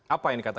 apa yang dikatakan